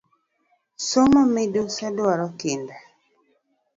Somo midusa duaro kinda?